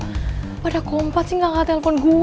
aduh pada kompat sih gak keangkat telpon gue